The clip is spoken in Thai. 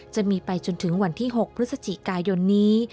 จะมีไปจนถึงวันที่๖พฤศจิกายนนี้